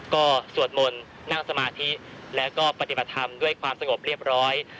ก็สวดมนต์นั่งสมาธิแล้วก็ปฏิบัติธรรมด้วยความสงบเรียบร้อย